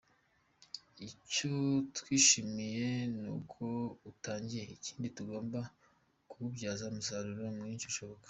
Icyo twishimiye ni uko utangiye, ikindi tugomba kuwubyaza umusaruro mwishi ushoboka.